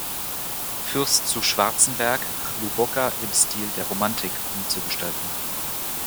Fürst zu Schwarzenberg, Hluboká im Stil der Romantik umzugestalten.